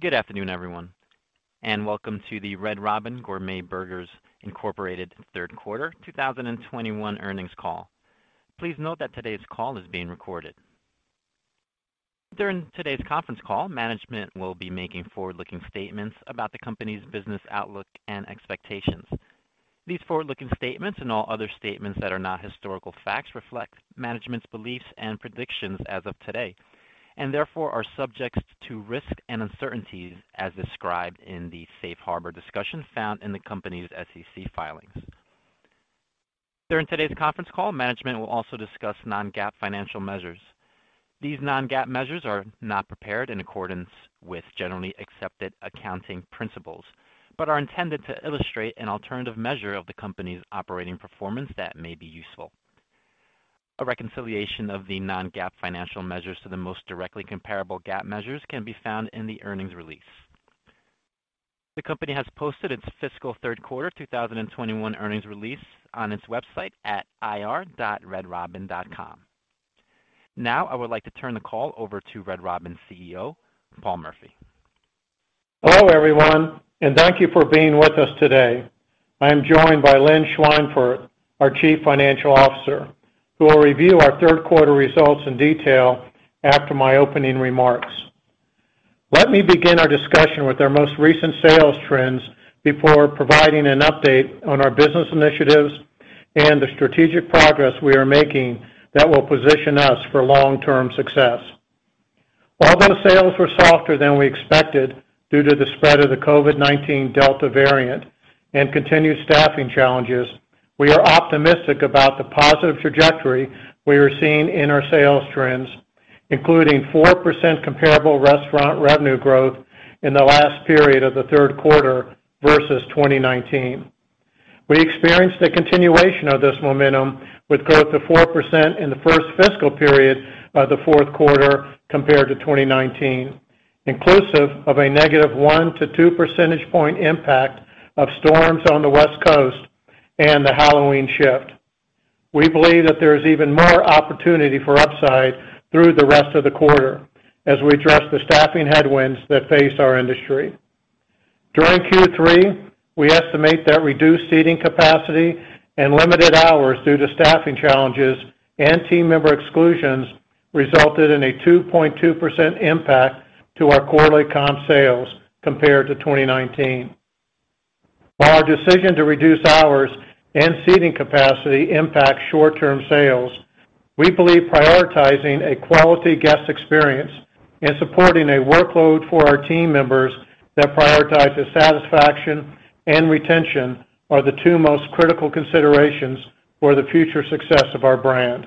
Good afternoon, everyone, and welcome to the Red Robin Gourmet Burgers, Inc. third quarter 2021 earnings call. Please note that today's call is being recorded. During today's conference call, management will be making forward-looking statements about the company's business outlook and expectations. These forward-looking statements and all other statements that are not historical facts reflect management's beliefs and predictions as of today, and therefore are subject to risks and uncertainties as described in the safe harbor discussion found in the company's SEC filings. During today's conference call, management will also discuss non-GAAP financial measures. These non-GAAP measures are not prepared in accordance with generally accepted accounting principles, but are intended to illustrate an alternative measure of the company's operating performance that may be useful. A reconciliation of the non-GAAP financial measures to the most directly comparable GAAP measures can be found in the earnings release. The company has posted its fiscal third quarter 2021 earnings release on its website at ir.redrobin.com. Now I would like to turn the call over to Red Robin CEO, Lynn Schweinfurth. Hello, everyone, and thank you for being with us today. I am joined by Lynn Schweinfurth, our Chief Financial Officer, who will review our third quarter results in detail after my opening remarks. Let me begin our discussion with our most recent sales trends before providing an update on our business initiatives and the strategic progress we are making that will position us for long-term success. Although sales were softer than we expected due to the spread of the COVID-19 Delta variant and continued staffing challenges, we are optimistic about the positive trajectory we are seeing in our sales trends, including 4% comparable restaurant revenue growth in the last period of the third quarter versus 2019. We experienced a continuation of this momentum with growth of 4% in the first fiscal period of the fourth quarter compared to 2019, inclusive of a negative 1-2 percentage point impact of storms on the West Coast and the Halloween shift. We believe that there is even more opportunity for upside through the rest of the quarter as we address the staffing headwinds that face our industry. During Q3, we estimate that reduced seating capacity and limited hours due to staffing challenges and team member exclusions resulted in a 2.2% impact to our quarterly comp sales compared to 2019. While our decision to reduce hours and seating capacity impacts short-term sales, we believe prioritizing a quality guest experience and supporting a workload for our team members that prioritizes satisfaction and retention are the two most critical considerations for the future success of our brand.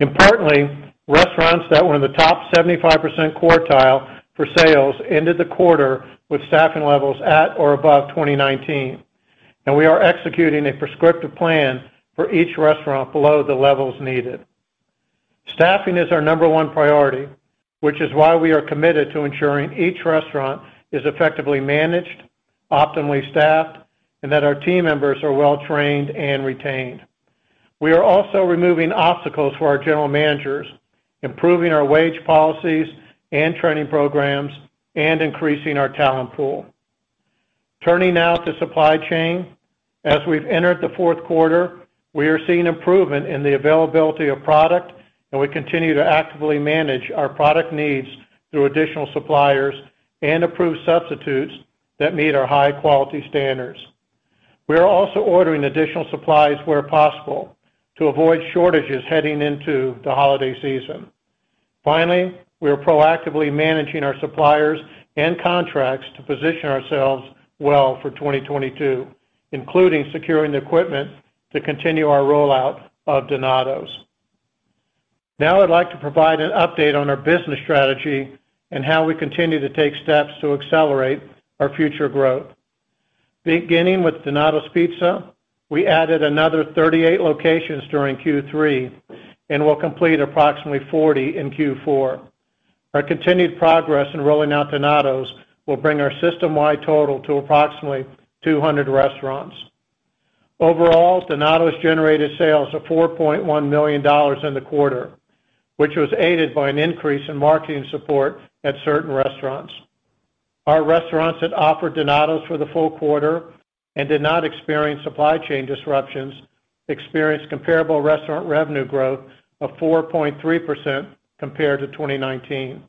Importantly, restaurants that were in the top 75% quartile for sales ended the quarter with staffing levels at or above 2019, and we are executing a prescriptive plan for each restaurant below the levels needed. Staffing is our number one priority, which is why we are committed to ensuring each restaurant is effectively managed, optimally staffed, and that our team members are well trained and retained. We are also removing obstacles for our general managers, improving our wage policies and training programs, and increasing our talent pool. Turning now to supply chain. As we've entered the fourth quarter, we are seeing improvement in the availability of product, and we continue to actively manage our product needs through additional suppliers and approved substitutes that meet our high quality standards. We are also ordering additional supplies where possible to avoid shortages heading into the holiday season. Finally, we are proactively managing our suppliers and contracts to position ourselves well for 2022, including securing the equipment to continue our rollout of Donatos. Now I'd like to provide an update on our business strategy and how we continue to take steps to accelerate our future growth. Beginning with Donatos Pizza, we added another 38 locations during Q3 and will complete approximately 40 in Q4. Our continued progress in rolling out Donatos will bring our system-wide total to approximately 200 restaurants. Overall, Donatos generated sales of $4.1 million in the quarter, which was aided by an increase in marketing support at certain restaurants. Our restaurants that offered Donatos for the full quarter and did not experience supply chain disruptions experienced comparable restaurant revenue growth of 4.3% compared to 2019.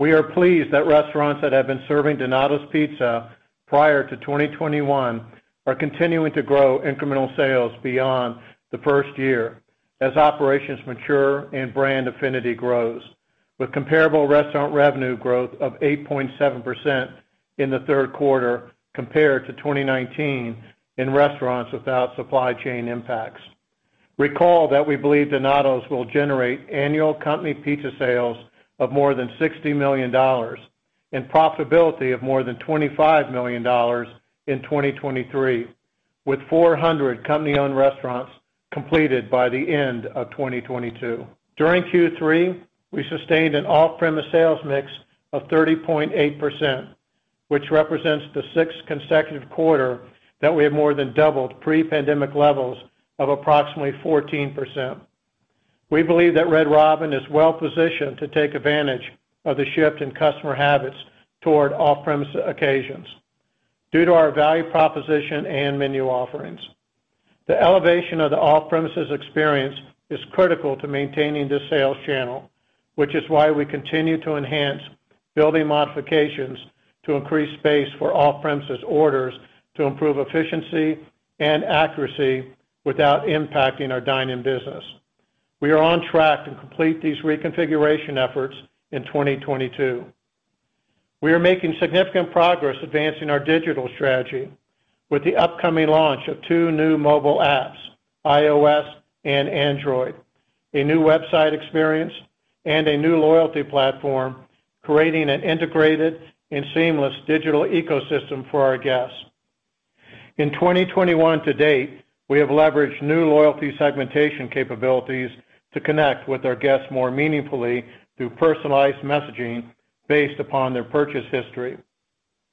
We are pleased that restaurants that have been serving Donatos Pizza prior to 2021 are continuing to grow incremental sales beyond the first year as operations mature and brand affinity grows, with comparable restaurant revenue growth of 8.7% in the third quarter compared to 2019 in restaurants without supply chain impacts. Recall that we believe Donatos will generate annual company pizza sales of more than $60 million and profitability of more than $25 million in 2023, with 400 company-owned restaurants completed by the end of 2022. During Q3, we sustained an off-premise sales mix of 30.8%, which represents the sixth consecutive quarter that we have more than doubled pre-pandemic levels of approximately 14%. We believe that Red Robin is well positioned to take advantage of the shift in customer habits toward off-premise occasions due to our value proposition and menu offerings. The elevation of the off-premises experience is critical to maintaining the sales channel, which is why we continue to enhance building modifications to increase space for off-premises orders to improve efficiency and accuracy without impacting our dine-in business. We are on track to complete these reconfiguration efforts in 2022. We are making significant progress advancing our digital strategy with the upcoming launch of two new mobile apps, iOS and Android, a new website experience, and a new loyalty platform, creating an integrated and seamless digital ecosystem for our guests. In 2021 to date, we have leveraged new loyalty segmentation capabilities to connect with our guests more meaningfully through personalized messaging based upon their purchase history.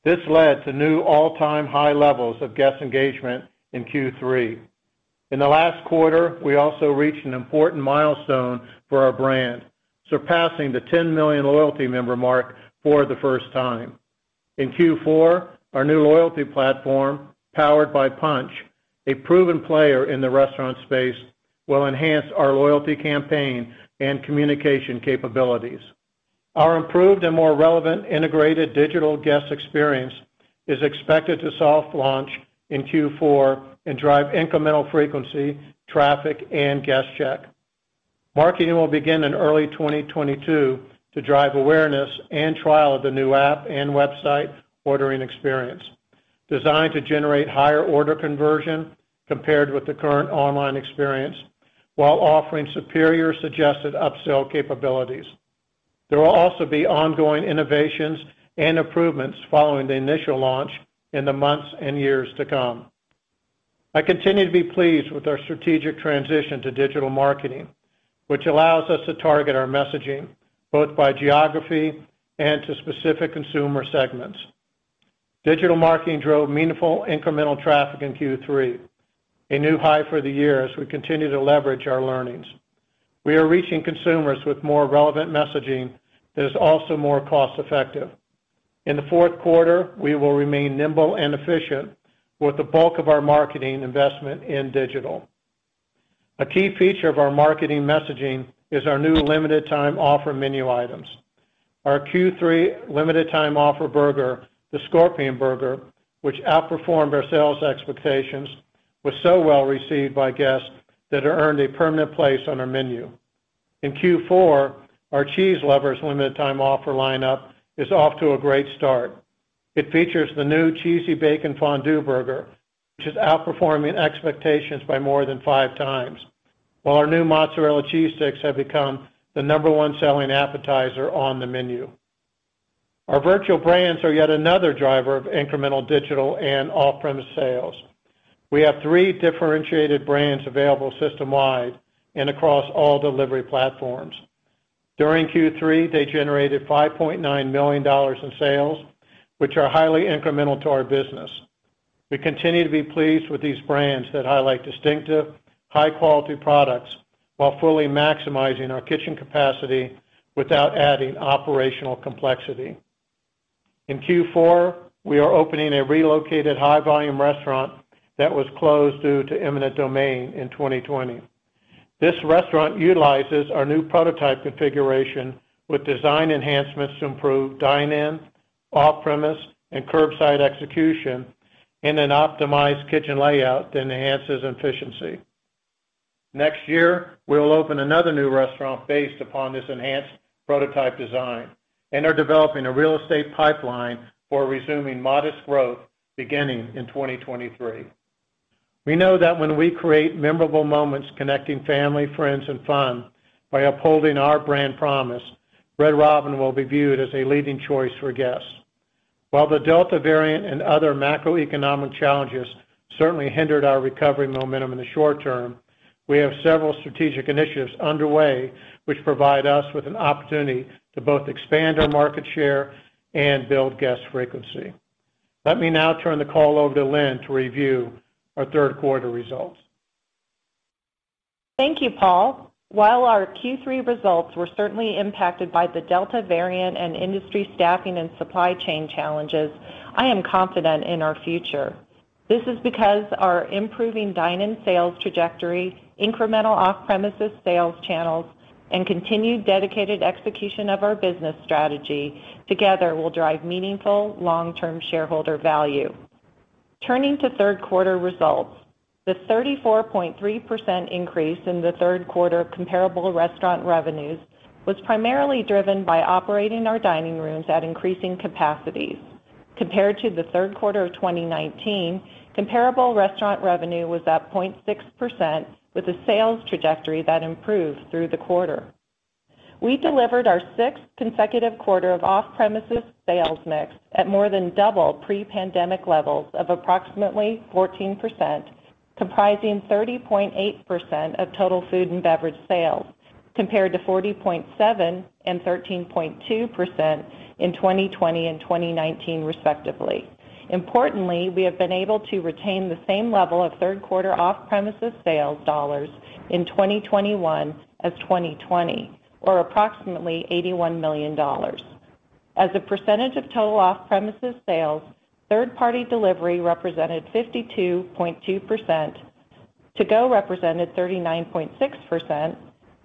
This led to new all-time high levels of guest engagement in Q3. In the last quarter, we also reached an important milestone for our brand, surpassing the 10 million loyalty member mark for the first time. In Q4, our new loyalty platform, powered by Punchh, a proven player in the restaurant space, will enhance our loyalty campaign and communication capabilities. Our improved and more relevant integrated digital guest experience is expected to soft launch in Q4 and drive incremental frequency, traffic, and guest check. Marketing will begin in early 2022 to drive awareness and trial of the new app and website ordering experience designed to generate higher order conversion compared with the current online experience while offering superior suggested upsell capabilities. There will also be ongoing innovations and improvements following the initial launch in the months and years to come. I continue to be pleased with our strategic transition to digital marketing, which allows us to target our messaging both by geography and to specific consumer segments. Digital marketing drove meaningful incremental traffic in Q3, a new high for the year as we continue to leverage our learnings. We are reaching consumers with more relevant messaging that is also more cost-effective. In the fourth quarter, we will remain nimble and efficient with the bulk of our marketing investment in digital. A key feature of our marketing messaging is our new limited time offer menu items. Our Q3 limited time offer burger, the Scorpion Gourmet Burger, which outperformed our sales expectations, was so well received by guests that it earned a permanent place on our menu. In Q4, our Cheese Lovers limited time offer lineup is off to a great start. It features the new Cheesy Bacon Fondue Burger, which is outperforming expectations by more than five times, while our new Mozzarella Cheese Sticks have become the number one selling appetizer on the menu. Our virtual brands are yet another driver of incremental digital and off-premise sales. We have three differentiated brands available system-wide and across all delivery platforms. During Q3, they generated $5.9 million in sales, which are highly incremental to our business. We continue to be pleased with these brands that highlight distinctive, high-quality products while fully maximizing our kitchen capacity without adding operational complexity. In Q4, we are opening a relocated high volume restaurant that was closed due to eminent domain in 2020. This restaurant utilizes our new prototype configuration with design enhancements to improve dine-in, off-premise, and curbside execution in an optimized kitchen layout that enhances efficiency. Next year, we will open another new restaurant based upon this enhanced prototype design and are developing a real estate pipeline for resuming modest growth beginning in 2023. We know that when we create memorable moments connecting family, friends, and fun by upholding our brand promise, Red Robin will be viewed as a leading choice for guests. While the Delta variant and other macroeconomic challenges certainly hindered our recovery momentum in the short term, we have several strategic initiatives underway which provide us with an opportunity to both expand our market share and build guest frequency. Let me now turn the call over to Lynn to review our third quarter results. Thank you, Paul. While our Q3 results were certainly impacted by the Delta variant and industry staffing and supply chain challenges, I am confident in our future. This is because our improving dine-in sales trajectory, incremental off-premises sales channels, and continued dedicated execution of our business strategy together will drive meaningful long-term shareholder value. Turning to third quarter results, the 34.3% increase in the third quarter comparable restaurant revenues was primarily driven by operating our dining rooms at increasing capacities. Compared to the third quarter of 2019, comparable restaurant revenue was up 0.6% with a sales trajectory that improved through the quarter. We delivered our sixth consecutive quarter of off-premises sales mix at more than double pre-pandemic levels of approximately 14%, comprising 30.8% of total food and beverage sales, compared to 40.7% and 13.2% in 2020 and 2019 respectively. Importantly, we have been able to retain the same level of third quarter off-premises sales dollars in 2021 as 2020, or approximately $81 million. As a percentage of total off-premises sales, third-party delivery represented 52.2%, to-go represented 39.6%,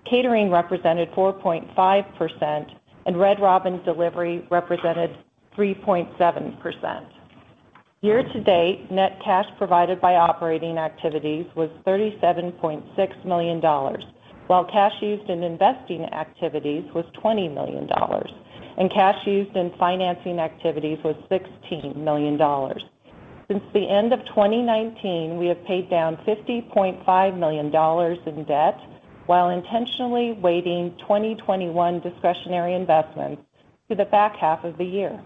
catering represented 4.5%, and Red Robin delivery represented 3.7%. Year-to-date, net cash provided by operating activities was $37.6 million, while cash used in investing activities was $20 million, and cash used in financing activities was $16 million. Since the end of 2019, we have paid down $50.5 million in debt while intentionally weighting 2021 discretionary investments to the back half of the year.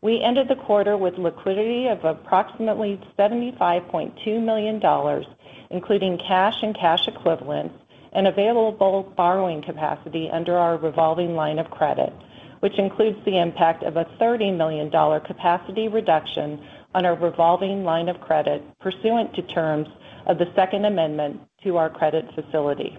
We ended the quarter with liquidity of approximately $75.2 million, including cash and cash equivalents and available borrowing capacity under our revolving line of credit, which includes the impact of a $30 million capacity reduction on our revolving line of credit pursuant to terms of the second amendment to our credit facility.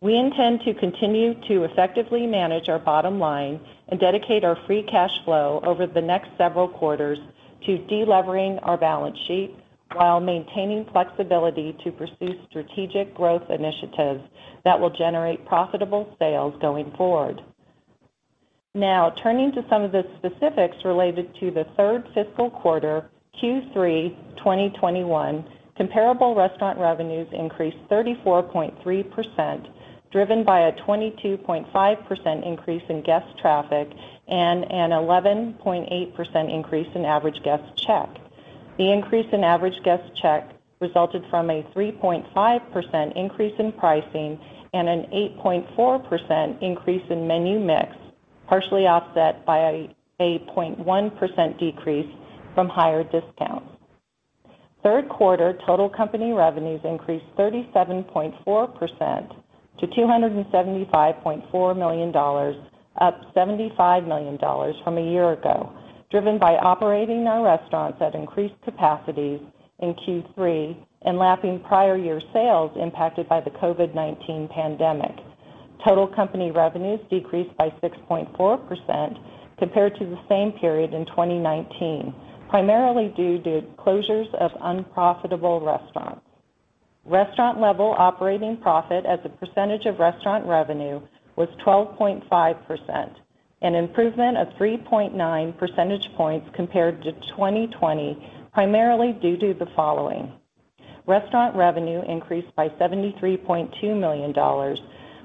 We intend to continue to effectively manage our bottom line and dedicate our free cash flow over the next several quarters to delevering our balance sheet while maintaining flexibility to pursue strategic growth initiatives that will generate profitable sales going forward. Now, turning to some of the specifics related to the third fiscal quarter, Q3 2021, comparable restaurant revenues increased 34.3%, driven by a 22.5% increase in guest traffic and an 11.8% increase in average guest check. The increase in average guest check resulted from a 3.5% increase in pricing and an 8.4% increase in menu mix, partially offset by a 0.1% decrease from higher discounts. Third quarter total company revenues increased 37.4% to $275.4 million, up $75 million from a year ago, driven by operating our restaurants at increased capacities in Q3 and lapping prior year sales impacted by the COVID-19 pandemic. Total company revenues decreased by 6.4% compared to the same period in 2019, primarily due to closures of unprofitable restaurants. Restaurant level operating profit as a percentage of restaurant revenue was 12.5%, an improvement of 3.9 percentage points compared to 2020, primarily due to the following. Restaurant revenue increased by $73.2 million,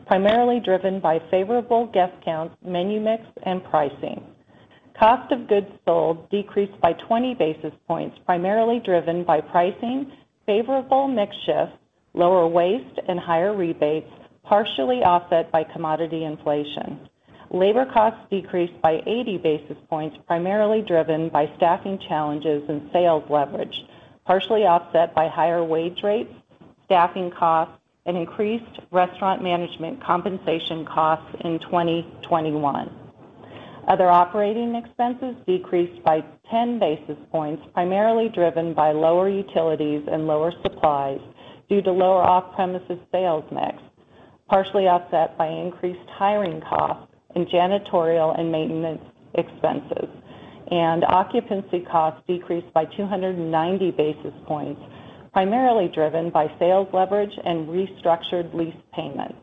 primarily driven by favorable guest counts, menu mix, and pricing. Cost of goods sold decreased by 20 basis points, primarily driven by pricing, favorable mix shift, lower waste, and higher rebates, partially offset by commodity inflation. Labor costs decreased by 80 basis points, primarily driven by staffing challenges and sales leverage, partially offset by higher wage rates, staffing costs, and increased restaurant management compensation costs in 2021. Other operating expenses decreased by 10 basis points, primarily driven by lower utilities and lower supplies due to lower off-premises sales mix, partially offset by increased hiring costs and janitorial and maintenance expenses. Occupancy costs decreased by 290 basis points, primarily driven by sales leverage and restructured lease payments.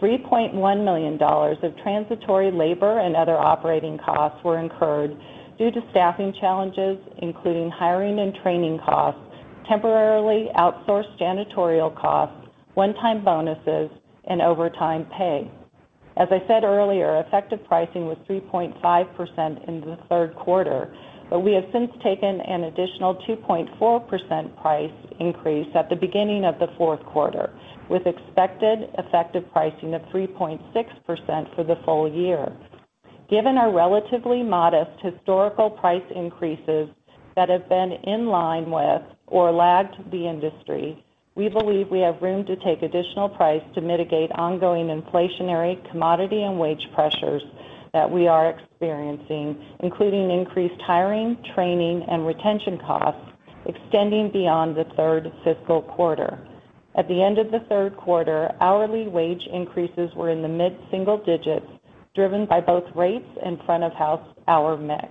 $3.1 million of transitory labor and other operating costs were incurred due to staffing challenges, including hiring and training costs, temporarily outsourced janitorial costs, one-time bonuses, and overtime pay. As I said earlier, effective pricing was 3.5% in the third quarter, but we have since taken an additional 2.4% price increase at the beginning of the fourth quarter, with expected effective pricing of 3.6% for the full year. Given our relatively modest historical price increases that have been in line with or lagged the industry, we believe we have room to take additional price to mitigate ongoing inflationary commodity and wage pressures that we are experiencing, including increased hiring, training, and retention costs extending beyond the third fiscal quarter. At the end of the third quarter, hourly wage increases were in the mid-single digits, driven by both rates and front-of-house hour mix.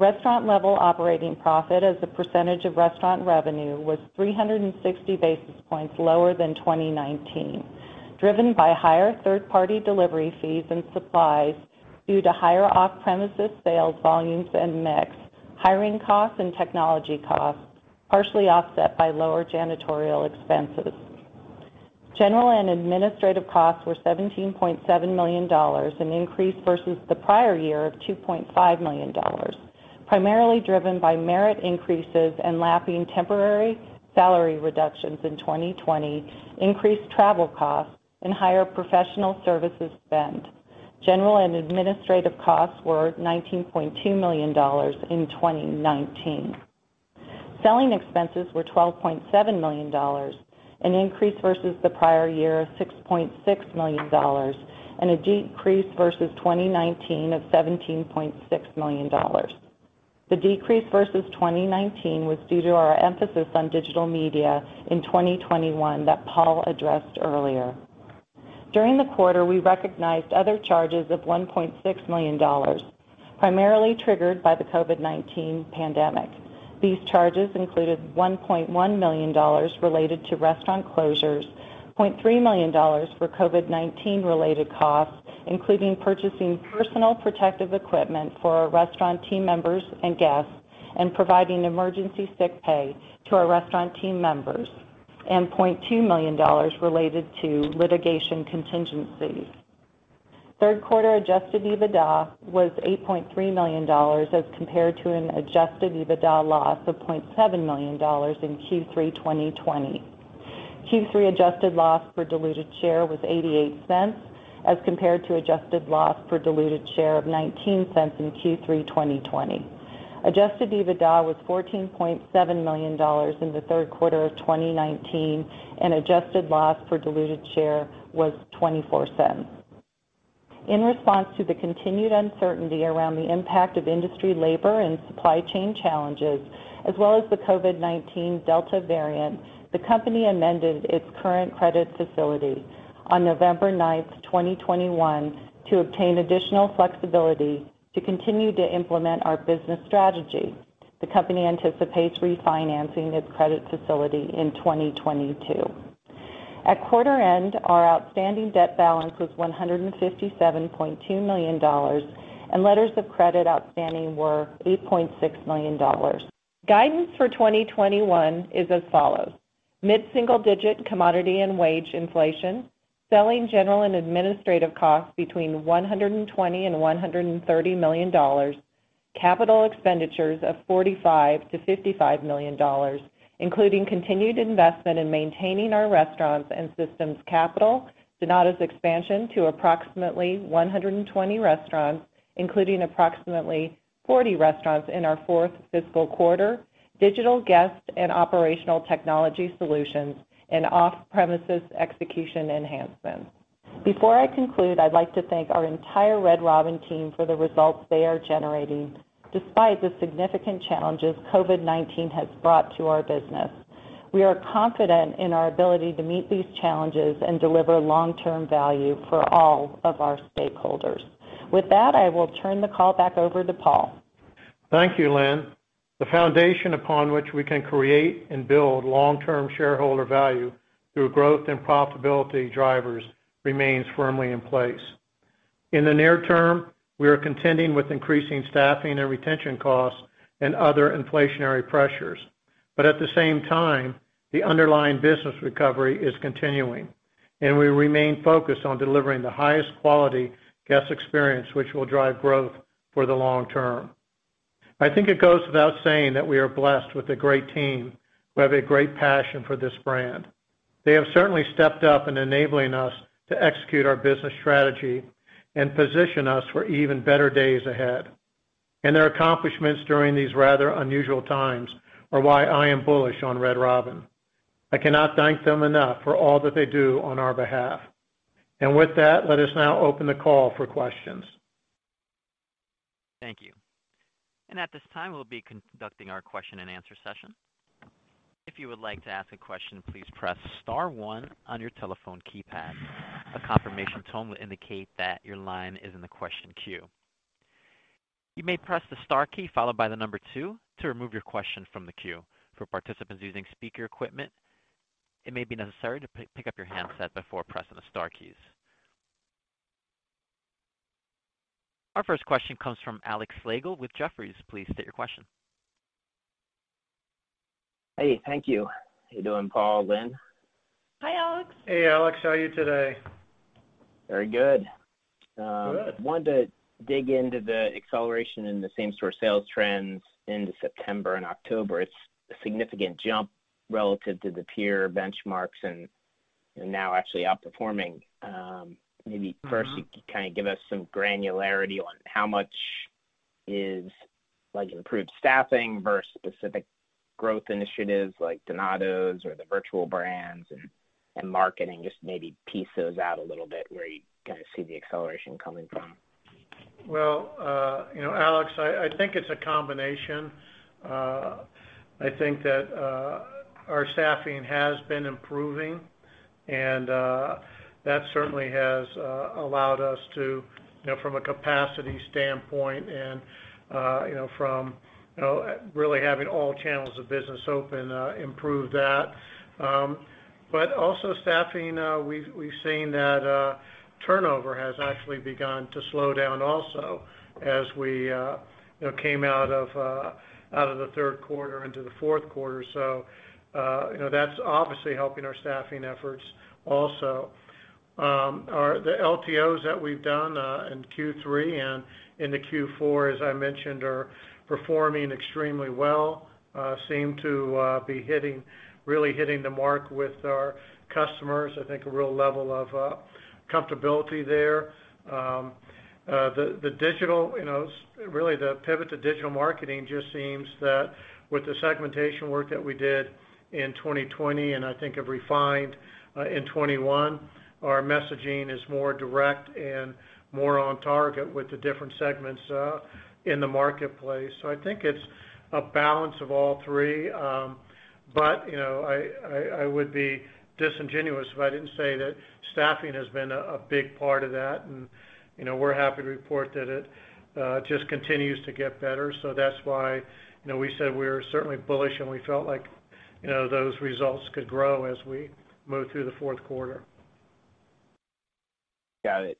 Restaurant level operating profit as a percentage of restaurant revenue was 360 basis points lower than 2019, driven by higher third-party delivery fees and supplies due to higher off-premises sales volumes and mix, hiring costs and technology costs, partially offset by lower janitorial expenses. General and administrative costs were $17.7 million, an increase versus the prior year of $2.5 million, primarily driven by merit increases and lapping temporary salary reductions in 2020, increased travel costs, and higher professional services spend. General and administrative costs were $19.2 million in 2019. Selling expenses were $12.7 million, an increase versus the prior year of $6.6 million, and a decrease versus 2019 of $17.6 million. The decrease versus 2019 was due to our emphasis on digital media in 2021 that Paul addressed earlier. During the quarter, we recognized other charges of $1.6 million, primarily triggered by the COVID-19 pandemic. These charges included $1.1 million related to restaurant closures, $0.3 million for COVID-19 related costs, including purchasing personal protective equipment for our restaurant team members and guests and providing emergency sick pay to our restaurant team members, and $0.2 million related to litigation contingencies. Third quarter adjusted EBITDA was $8.3 million as compared to an adjusted EBITDA loss of $0.7 million in Q3 2020. Q3 adjusted loss per diluted share was $0.88 as compared to adjusted loss per diluted share of $0.19 in Q3 2020. Adjusted EBITDA was $14.7 million in the third quarter of 2019, and adjusted loss per diluted share was $0.24. In response to the continued uncertainty around the impact of industry labor and supply chain challenges, as well as the COVID-19 Delta variant, the company amended its current credit facility on November 9, 2021 to obtain additional flexibility to continue to implement our business strategy. The company anticipates refinancing its credit facility in 2022. At quarter end, our outstanding debt balance was $157.2 million, and letters of credit outstanding were $8.6 million. Guidance for 2021 is as follows: mid-single digit commodity and wage inflation, selling general and administrative costs between $120 million and $130 million, capital expenditures of $45-$55 million, including continued investment in maintaining our restaurants and systems capital, Donatos expansion to approximately 120 restaurants, including approximately 40 restaurants in our fourth fiscal quarter, digital guest and operational technology solutions, and off-premises execution enhancements. Before I conclude, I'd like to thank our entire Red Robin team for the results they are generating despite the significant challenges COVID-19 has brought to our business. We are confident in our ability to meet these challenges and deliver long-term value for all of our stakeholders. With that, I will turn the call back over to Paul. Thank you, Lynn. The foundation upon which we can create and build long-term shareholder value through growth and profitability drivers remains firmly in place. In the near term, we are contending with increasing staffing and retention costs and other inflationary pressures. At the same time, the underlying business recovery is continuing, and we remain focused on delivering the highest quality guest experience, which will drive growth for the long term. I think it goes without saying that we are blessed with a great team who have a great passion for this brand. They have certainly stepped up in enabling us to execute our business strategy and position us for even better days ahead. Their accomplishments during these rather unusual times are why I am bullish on Red Robin. I cannot thank them enough for all that they do on our behalf. With that, let us now open the call for questions. Thank you. At this time, we'll be conducting our question and answer session. If you would like to ask a question, please press star one on your telephone keypad. A confirmation tone will indicate that your line is in the question queue. You may press the star key followed by the number two to remove your question from the queue. For participants using speaker equipment, it may be necessary to pick up your handset before pressing the star keys. Our first question comes from Alex Slagle with Jefferies. Please state your question. Hey, thank you. How you doing, Paul, Lynn? Hi, Alex. Hey, Alex. How are you today? Very good. Good. wanted to dig into the acceleration in the same-store sales trends into September and October. It's a significant jump relative to the peer benchmarks and now actually outperforming. Maybe first- Mm-hmm. You can kind of give us some granularity on how much is, like, improved staffing versus specific growth initiatives like Donatos or the virtual brands and marketing. Just maybe piece those out a little bit, where you kind of see the acceleration coming from. Well, you know, Alex, I think it's a combination. I think that our staffing has been improving and that certainly has allowed us to, you know, from a capacity standpoint and you know from really having all channels of business open, improve that. But also staffing, we've seen that turnover has actually begun to slow down also as we you know came out of the third quarter into the fourth quarter. You know, that's obviously helping our staffing efforts also. The LTOs that we've done. In Q3 and into Q4, as I mentioned, are performing extremely well. Seem to be hitting, really hitting the mark with our customers. I think a real level of comfortability there. The digital, you know, really the pivot to digital marketing just seems that with the segmentation work that we did in 2020, and I think have refined in 2021, our messaging is more direct and more on target with the different segments in the marketplace. So I think it's a balance of all three. You know, I would be disingenuous if I didn't say that staffing has been a big part of that. You know, we're happy to report that it just continues to get better. That's why, you know, we said we're certainly bullish and we felt like, you know, those results could grow as we move through the fourth quarter. Got it.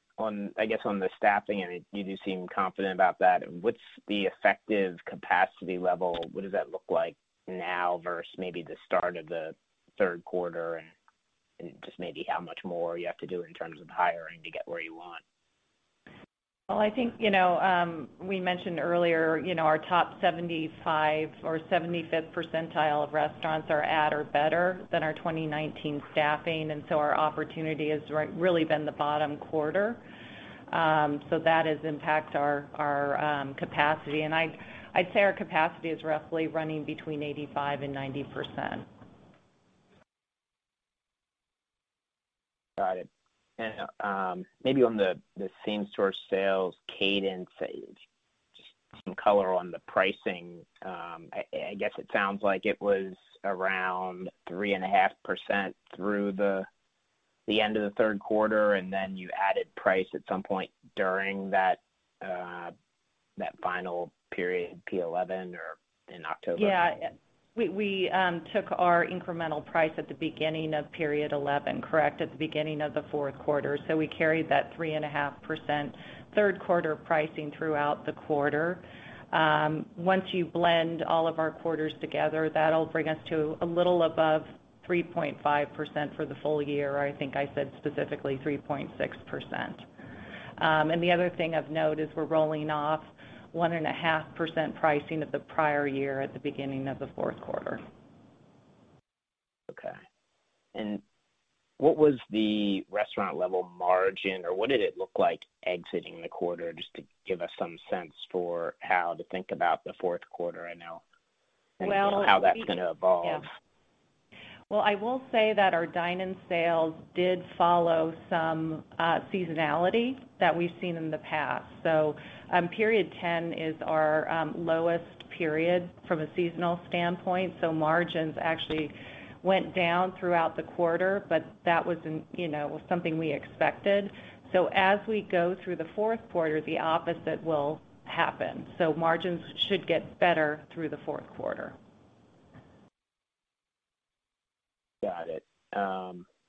I guess, on the staffing, I mean, you do seem confident about that. What's the effective capacity level? What does that look like now versus maybe the start of the third quarter, and just maybe how much more you have to do in terms of hiring to get where you want? Well, I think, you know, we mentioned earlier, you know, our top 75 or 75th percentile of restaurants are at or better than our 2019 staffing, and so our opportunity has really been the bottom quarter. That has impacted our capacity. I'd say our capacity is roughly running between 85% and 90%. Got it. Maybe on the same-store sales cadence, just some color on the pricing. I guess it sounds like it was around 3.5% through the end of the third quarter, and then you added price at some point during that final period, P11 or in October. Yeah. We took our incremental price at the beginning of period eleven, correct, at the beginning of the fourth quarter. We carried that 3.5% third quarter pricing throughout the quarter. Once you blend all of our quarters together, that'll bring us to a little above 3.5% for the full year. I think I said specifically 3.6%. The other thing of note is we're rolling off 1.5% pricing of the prior year at the beginning of the fourth quarter. Okay. What was the restaurant level margin? Or what did it look like exiting the quarter, just to give us some sense for how to think about the fourth quarter and now? Well, how that's gonna evolve. Yeah. Well, I will say that our dine-in sales did follow some seasonality that we've seen in the past. Period 10 is our lowest period from a seasonal standpoint, so margins actually went down throughout the quarter, but that was, you know, something we expected. As we go through the fourth quarter, the opposite will happen. Margins should get better through the fourth quarter. Got it.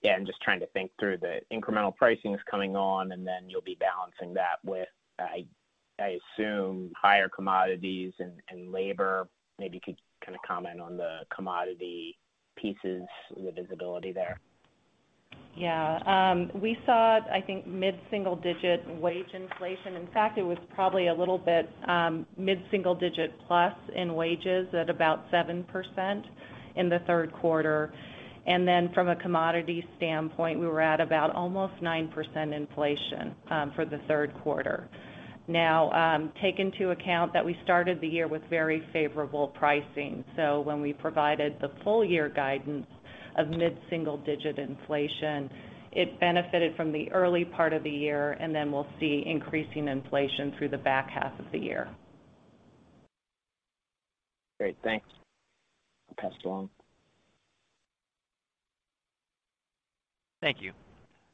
Yeah, I'm just trying to think through the incremental pricings coming on, and then you'll be balancing that with, I assume, higher commodities and labor. Maybe you could kind of comment on the commodity pieces, the visibility there. Yeah. We saw, I think, mid-single-digit wage inflation. In fact, it was probably a little bit, mid-single-digit plus in wages at about 7% in the third quarter. Then from a commodity standpoint, we were at about almost 9% inflation, for the third quarter. Now, take into account that we started the year with very favorable pricing. When we provided the full year guidance of mid-single-digit inflation, it benefited from the early part of the year, and then we'll see increasing inflation through the back half of the year. Great. Thanks. I'll pass it along. Thank you.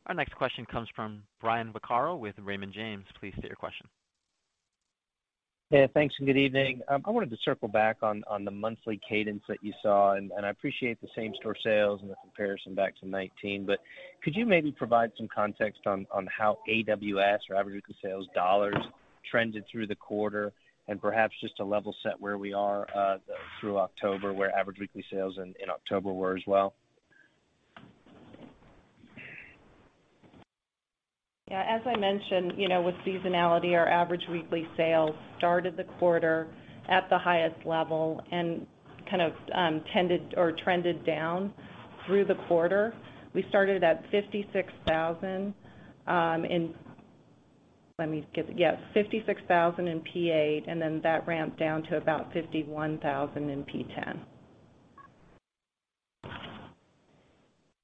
Our next question comes from Brian Vaccaro with Raymond James. Please state your question. Yeah, thanks and good evening. I wanted to circle back on the monthly cadence that you saw, and I appreciate the same-store sales and the comparison back to 2019. Could you maybe provide some context on how AWD, or average weekly sales dollars, trended through the quarter? Perhaps just to level set where we are through October, where average weekly sales in October were as well. Yeah, as I mentioned, you know, with seasonality, our average weekly sales started the quarter at the highest level and kind of tended or trended down through the quarter. We started at $56,000 in P 8, and then that ramped down to about $51,000 in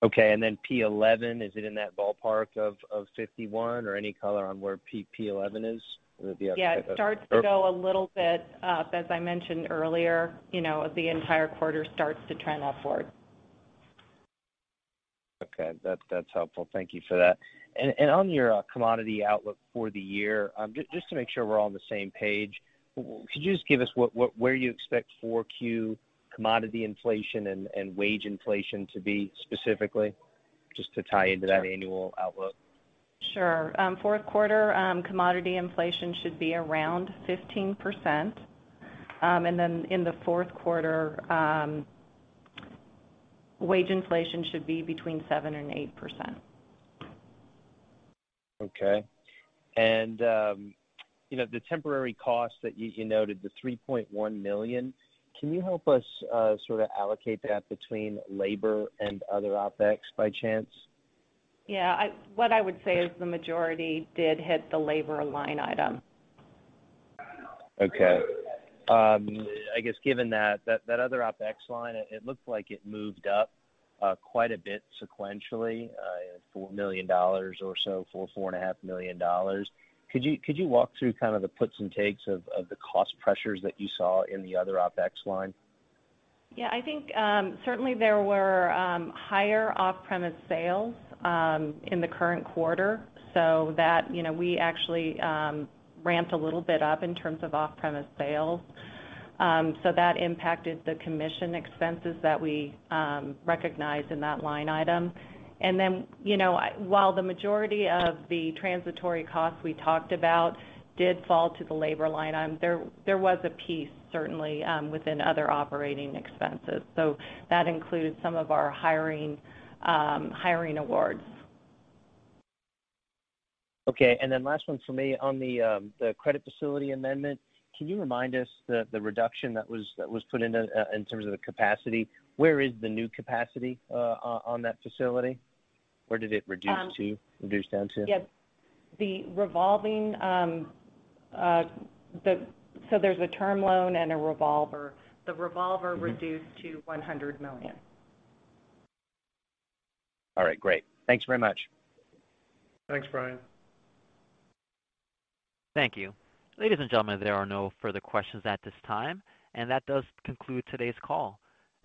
P 10. P11, is it in that ballpark of 51 or any color on where P11 is? Or if you have- Yeah, it starts to go a little bit up. As I mentioned earlier, you know, the entire quarter starts to trend upward. Okay. That's helpful. Thank you for that. On your commodity outlook for the year, just to make sure we're all on the same page, could you just give us where you expect Q4 commodity inflation and wage inflation to be specifically, just to tie into that annual outlook? Sure. Fourth quarter, commodity inflation should be around 15%. In the fourth quarter, wage inflation should be between 7%-8%. Okay. You know, the temporary costs that you noted, the $3.1 million, can you help us sort of allocate that between labor and other OpEx by chance? Yeah, what I would say is the majority did hit the labor line item. Okay. I guess given that other OpEx line, it looked like it moved up quite a bit sequentially, $4 million or so, $4.5 million. Could you walk through kind of the puts and takes of the cost pressures that you saw in the other OpEx line? Yeah, I think certainly there were higher off-premise sales in the current quarter. That, you know, we actually ramped a little bit up in terms of off-premise sales. That impacted the commission expenses that we recognized in that line item. Then, you know, while the majority of the transitory costs we talked about did fall to the labor line item, there was a piece certainly within other operating expenses. That includes some of our hiring awards. Okay. Last one for me. On the credit facility amendment, can you remind us the reduction that was put into in terms of the capacity? Where is the new capacity on that facility? Where did it reduce to? Um- Reduce down to? There's a term loan and a revolver. The revolver Mm-hmm. Reduced to $100 million. All right, great. Thanks very much. Thanks, Brian. Thank you. Ladies and gentlemen, there are no further questions at this time, and that does conclude today's call.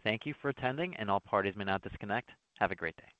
Thank you for attending and all parties may now disconnect. Have a great day.